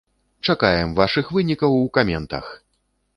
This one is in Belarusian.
Чакаем вашых вынікаў у каментах!